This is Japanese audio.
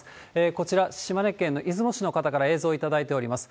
こちら、島根県の出雲市の方から映像いただいております。